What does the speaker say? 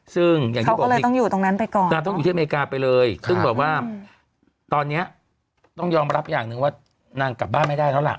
ซึ่งอย่างที่บอกว่านางต้องอยู่ที่อเมริกาไปเลยซึ่งแบบว่าตอนนี้ต้องยอมรับอย่างนึงว่านางกลับบ้านไม่ได้แล้วล่ะ